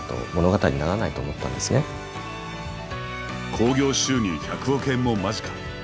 興行収入１００億円も間近。